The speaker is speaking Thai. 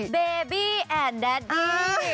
เบบี้แอนแดดดี้